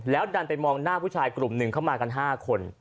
ดันไปมองหน้าผู้ชายกลุ่มหนึ่งเข้ามากัน๕คน